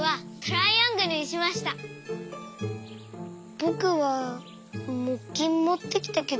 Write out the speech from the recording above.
ぼくはもっきんもってきたけど。